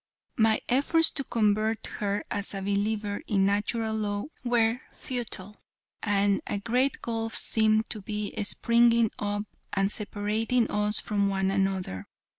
My efforts to convert her as a believer in Natural Law were futile, and a great gulf seemed to be springing up and separating us from one another.